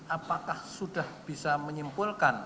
apakah sudah bisa menyimpulkan